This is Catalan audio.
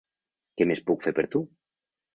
Què més puc fer per tu?